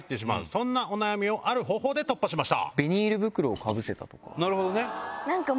そんなお悩みをある方法で突破しました。